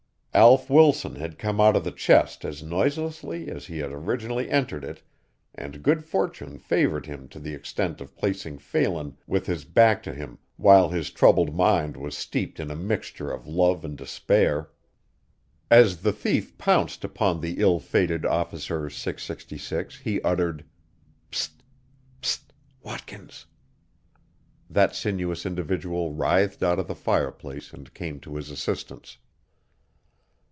Alf Wilson had come out of the chest as noiselessly as he had originally entered it and good fortune favored him to the extent of placing Phelan with his back to him while his troubled mind was steeped in a mixture of love and despair. As the thief pounced upon the ill fated Officer 666 he uttered, "Pst! Pst! Watkins!" That sinuous individual writhed out of the fireplace and came to his assistance.